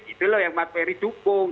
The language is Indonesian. gitu loh yang bang ferry dukung